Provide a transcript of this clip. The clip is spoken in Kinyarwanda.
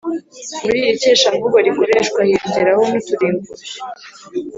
Muri iri Keshamvugo rikoreshwa hiyongeraho n’uturingushyo